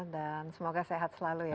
dan semoga sehat selalu ya